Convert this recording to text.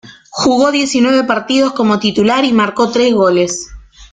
Jugó diecinueve partidos como titular y marcó tres goles.